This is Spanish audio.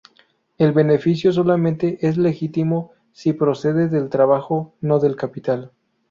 El beneficio solamente es legítimo si procede del trabajo, no del capital.